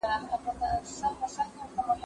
ناسته کونه تر قاضي لا هوښياره ده.